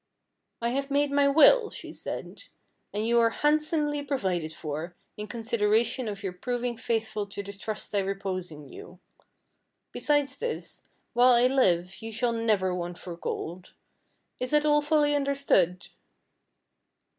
"I have made my will," she said, "and you are handsomely provided for, in consideration of your proving faithful to the trust I repose in you. Besides this, while I live, you shall never want for gold. Is it all fully understood?"